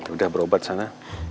udah berobat sana